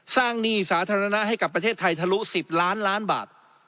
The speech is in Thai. หนี้สาธารณะให้กับประเทศไทยทะลุ๑๐ล้านล้านบาท